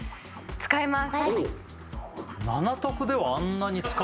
使います